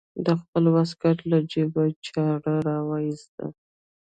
د خپل واسکټ له جيبه يې چاړه راوايسته.